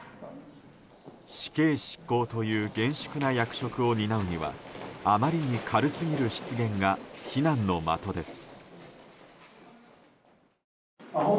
死刑執行という厳粛な役職を担うにはあまりに軽すぎる失言が非難の的です。